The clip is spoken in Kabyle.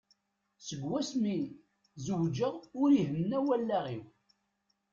Seg wass-mi zewǧeɣ ur ihenna wallaɣ-iw.